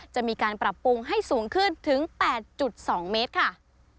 จะมีการปรับปรุงให้สูงขึ้นถึง๘๒เมตรค่ะ